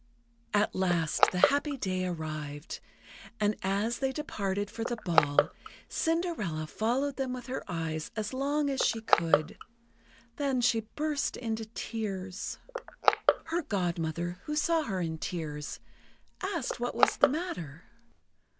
At last the happy day arrived, and as they departed for the ball, Cinderella followed them with her eyes as long as she could. Then she burst into tears. Her Godmother, who saw her in tears, asked what was the matter.